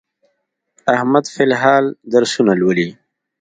احمد فل الحال درسونه لولي.